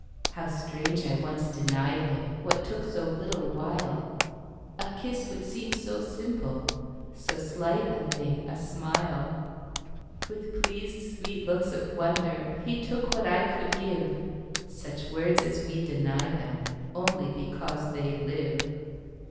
How strange I once denied himWhat took so little while.A kiss would seem so simple, So slight a thing a smile. With pleased sweet looks of wonderHe took what I could give,—Such words as we deny themOnly because they live.